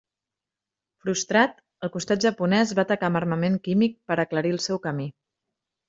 Frustrat, el costat japonès va atacar amb armament químic per aclarir el seu camí.